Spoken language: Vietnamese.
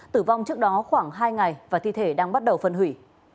tử vong trước đó khoảng hai ngày và thi thể đang bắt đầu phân hủy